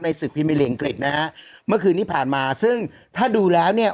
ในศึกภีมิเรียงกฤทธิ์นะฮะเมื่อคืนนี้ผ่านมาซึ่งถ้าดูแล้วเนี่ย